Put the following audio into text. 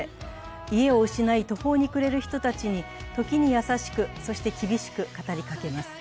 家を失い、途方に暮れる人たちに時に優しく、そして厳しく語りかけます。